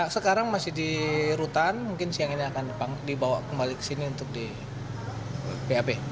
sekarang masih di rutan mungkin siang ini akan dibawa kembali ke sini untuk di bap